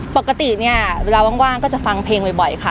ปกติเนี่ยเวลาว่างก็จะฟังเพลงบ่อยค่ะ